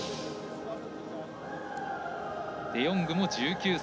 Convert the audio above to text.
デヨングも１９歳。